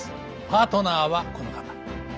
パートナーはこの方。